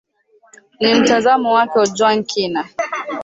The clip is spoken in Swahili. ni mtazamo wake ojwang kina